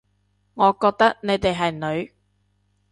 我覺得你哋係女